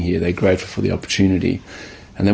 mereka suka hidup di sini